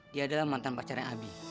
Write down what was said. dia adalah mantan pacarnya abi